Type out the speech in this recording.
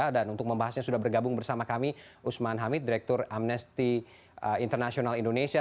dan untuk membahasnya sudah bergabung bersama kami usman hamid direktur amnesty international indonesia